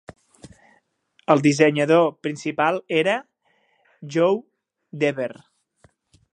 El dissenyador principal era Joe Dever.